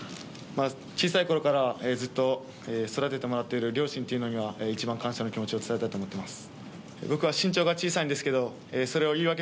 小さい頃からずっと育ててもらっている両親には一番感謝の気持ちを伝えたいと思っています。